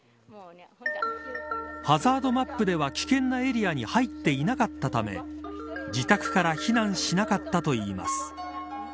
ハザードマップでは危険なエリアに入っていなかったため自宅から避難しなかったといいます。